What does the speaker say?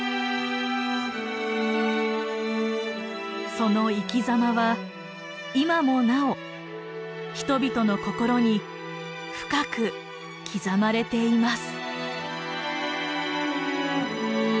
その生きざまは今もなお人々の心に深く刻まれています。